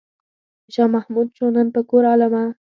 چې شاه محمود شو نن په کور عالمه.